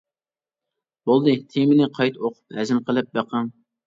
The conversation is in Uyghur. بولدى، تېمىنى قايتا ئوقۇپ ھەزىم قىلىپ بېقىڭ.